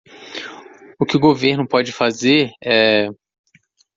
O que o governo pode fazer é